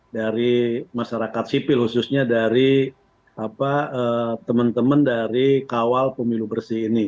dari masyarakat sipil khususnya dari teman teman dari kawal pemilu bersih ini